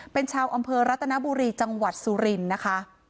เป็นชาวอำเภอรัตนบุรีจังหวัดสุรินทร์นะคะ